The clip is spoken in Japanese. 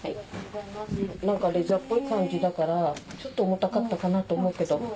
何かレザーっぽい感じだからちょっと重たかったかなと思うけど。